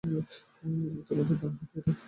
তোমার ডান হাতে এটা কী?